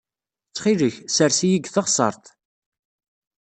Ttxil-k, ssers-iyi deg teɣsert.